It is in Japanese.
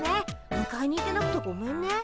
むかえに行けなくてごめんね。